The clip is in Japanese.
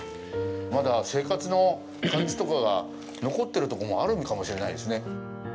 まだ生活の感じとかが残ってるところもあるのかもしれないですね。